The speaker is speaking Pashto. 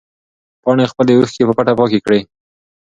پاڼې خپلې اوښکې په پټه پاکې کړې.